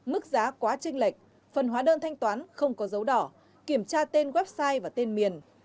mức giá quá trình lệch phần hóa đơn thanh toán không có dấu đỏ kiểm tra tên website và tên miền